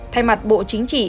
thay mặt bộ chính trị